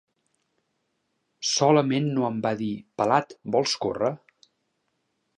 Solament no em va dir: —Pelat, vols córrer?